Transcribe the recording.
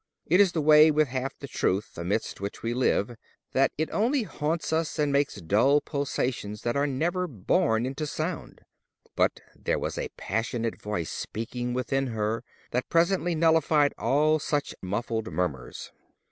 It is the way with half the truth amidst which we live, that it only haunts us and makes dull pulsations that are never born into sound. But there was a passionate voice speaking within her that presently nullified all such muffled murmurs.